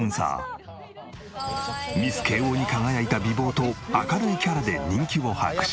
ミス慶應に輝いた美貌と明るいキャラで人気を博し。